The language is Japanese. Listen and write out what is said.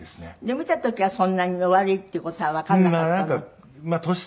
見た時はそんなに悪いっていう事はわかんなかったの？